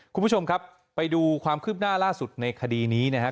คุณผู้ชมครับไปดูความคืบหน้าล่าสุดในคดีนี้นะครับ